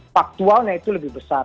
paktualnya itu lebih besar